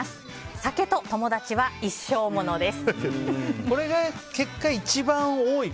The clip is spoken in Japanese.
酒と友達は、一生ものです。